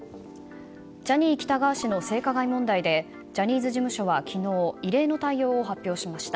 ジャニー喜多川氏の性加害問題でジャニーズ事務所は昨日、異例の対応を発表しました。